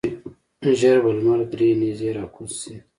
ژر به لمر درې نیزې راکوز شي.